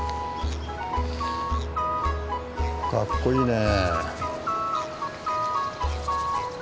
かっこいいね。